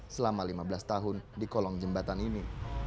selama lima belas tahun di kolong jembatan ini